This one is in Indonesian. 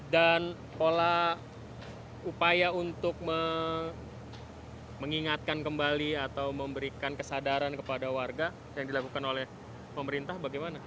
dan pola upaya untuk mengingatkan kembali atau memberikan kesadaran kepada warga yang dilakukan oleh pemerintah bagaimana